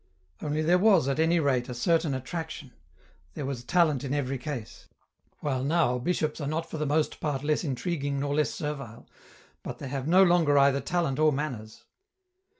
Only there was at any rate a certain attraction, there was talent in every case ; while now bishops are not for the most part less intriguing nor less servile, but they have no longer either talent or manners.